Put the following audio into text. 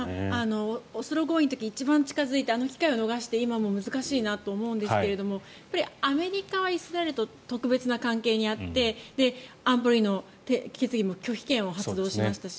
オスロ合意の時に一番近付いたあの時から遠のいて今はもう難しいなと思うんですがアメリカはイスラエルと特別な関係にあって安保理の決議も拒否権を発動しましたし